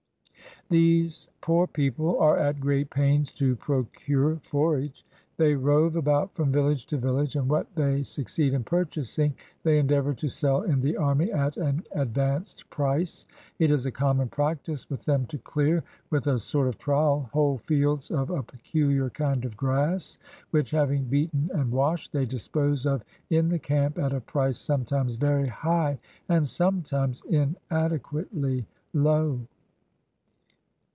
These poor people are at great pains to procure forage: 141 INDIA they rove about from village to village, and what they succeed in purchasing, they endeavor to sell in the army at an advanced price. It is a common practice with them to clear, with a sort of trowel, whole fields of a peculiar kind of grass, which having beaten and washed, they dispose of in the camp at a price sometimes very high and sometimes inadequately low.